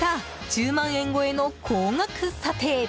１０万円超えの高額査定！